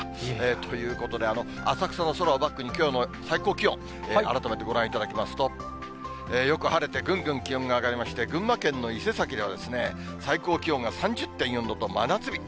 ということで、浅草の空をバックに、きょうの最高気温、改めてご覧いただきますと、よく晴れて、ぐんぐん気温が上がりまして、群馬県の伊勢崎では、最高気温が３０．４度と真夏日。